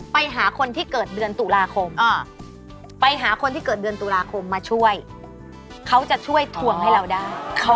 ไปหาคนที่เกิดเดือนตุลาคมไปหาคนที่เกิดเดือนตุลาคมมาช่วยเขาจะช่วยทวงให้เราได้